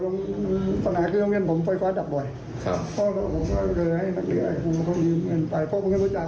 ไม่มีการเอาไปใช้